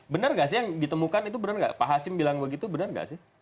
benar nggak sih yang ditemukan itu benar nggak pak hasim bilang begitu benar nggak sih